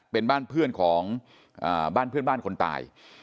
เป็นบ้านเพื่อนของบ้านเพื่อนบ้านคนตาย